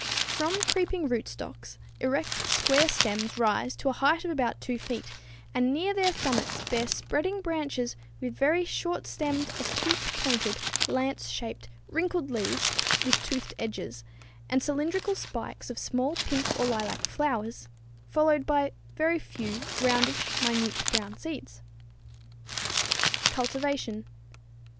_ From creeping rootstocks erect square stems rise to a height of about 2 feet, and near their summits bear spreading branches with very short stemmed, acute pointed, lance shaped, wrinkled leaves with toothed edges, and cylindrical spikes of small pink or lilac flowers, followed by very few, roundish, minute, brown seeds. _Cultivation.